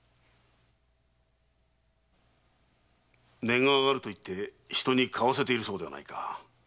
値が上がると言って人に買わせているそうではないか。